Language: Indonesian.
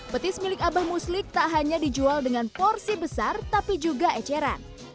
petis milik abah muslik tak hanya dijual dengan porsi besar tapi juga eceran